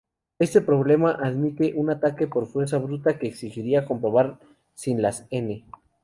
Este problema admite un ataque por fuerza bruta que exigiría comprobar si las n!